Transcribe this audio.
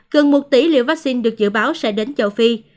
gần một tỷ liều vaccine được dự báo sẽ đến châu phi